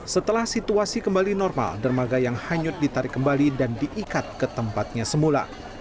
setelah situasi kembali normal dermaga yang hanyut ditarik kembali dan diikat ke tempatnya semula